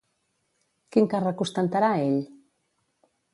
Quin càrrec ostentarà ell?